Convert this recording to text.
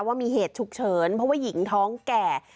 ว่ามีเหตุฉุกเฉินเพราะว่าหญิงท้องแก่